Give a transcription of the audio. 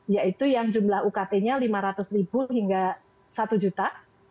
yaitu yang jumlah ukt nya lima ratus ribu hingga satu juta